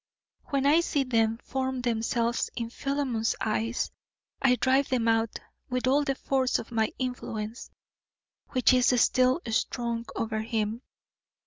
When I see them form themselves in Philemon's eyes I drive them out with all the force of my influence, which is still strong over him.